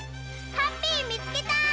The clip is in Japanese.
ハッピーみつけた！